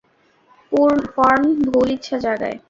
পর্ণ ভুল ইচ্ছা জাগায়।